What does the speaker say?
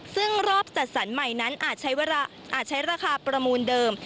ซึ่งรอบจัดสรรใหม่นั้นอาจใช้ราคาประมูลเดิม